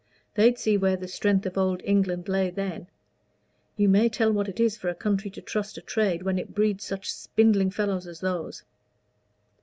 They'd see where the strength of Old England lay then. You may tell what it is for a country to trust to trade when it breeds such spindling fellows as those."